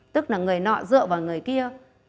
tức là người nọ dựa vào người kia